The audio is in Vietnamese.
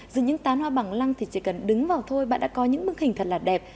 dưới những tán hoa bằng lăng thì chỉ cần đứng vào thôi bạn đã có những bức hình thật là đẹp